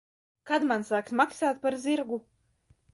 Kad man sāks maksāt par zirgu?